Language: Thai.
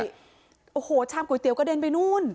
โอ้โหชามก๋วเตี๋กระเด็นไปนู่น